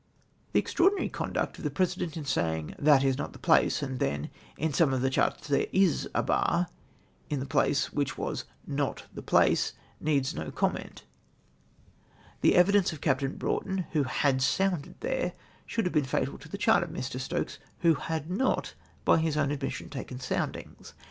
The extraordinary conduct of the President in saying " That is not the place,'" and then that " in some of the charts there is a bar," in the place which was " not the place," needs no comment. The evidence of Captain Broughton, who had scnmded there, shoidd have been fatal to the chart of Mr. Stokes, wlio had not by his THE IMAGINARY SHOAL. G9 own admission taken soundings.